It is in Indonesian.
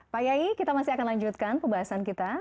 pak yai kita masih akan lanjutkan pembahasan kita